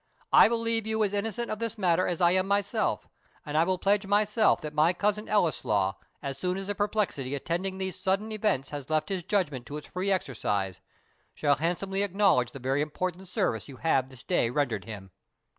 I believe you as innocent of this matter as I am myself; and I will pledge myself that my cousin Ellieslaw, as soon as the perplexity attending these sudden events has left his judgment to its free exercise, shall handsomely acknowledge the very important service you have this day rendered him."